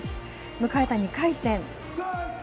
迎えた２回戦。